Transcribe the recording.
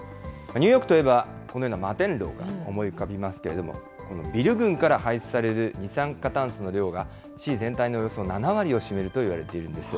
ニューヨークといえば、このような摩天楼が思い浮かびますけれども、このビル群から排出される二酸化炭素の量が、市全体のおよそ７割を占めるといわれているんです。